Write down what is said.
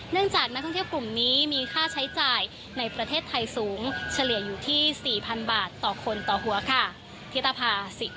จากนักท่องเที่ยวกลุ่มนี้มีค่าใช้จ่ายในประเทศไทยสูงเฉลี่ยอยู่ที่๔๐๐๐บาทต่อคนต่อหัวค่ะ